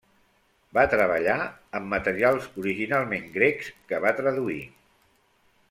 Va treballar amb materials originalment grecs que va traduir.